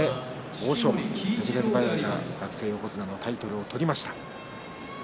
欧勝馬が学生横綱のタイトルを取りました。